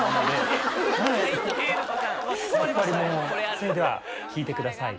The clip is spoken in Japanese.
それでは聴いてください。